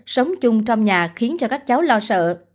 sống chung trong nhà khiến cho các cháu lo sợ